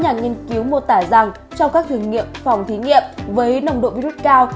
nghiên cứu mô tả rằng trong các thử nghiệm phòng thí nghiệm với nồng độ virus cao